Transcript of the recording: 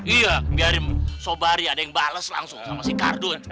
iya biarin sobari ada yang bales langsung sama si kardus